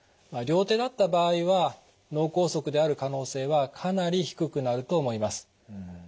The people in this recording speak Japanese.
両手だった場合は脳梗塞である可能性はかなり低くなると思います。